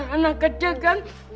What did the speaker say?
anak kecil kan